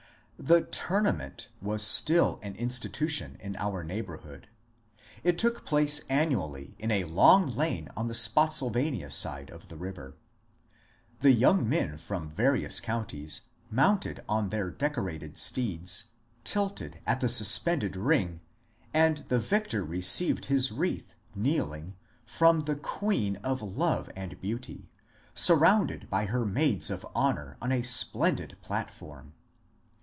The Tournament was still an institution in our neighbour hood. It took place annually in a long lane on the Spottsyl vania side of the river. The young men from various counties, mounted on their decorated steeds, tilted at the suspended ring, and the victor received his wreath, kneeling, from the Queen of Love and Beauty, surrounded by her maids of honour on a splendid platform.